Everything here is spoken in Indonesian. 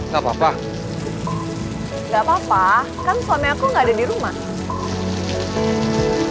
gimana kalau kita nondody dalam